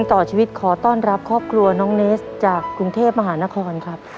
ต่อชีวิตขอต้อนรับครอบครัวน้องเนสจากกรุงเทพมหานครครับ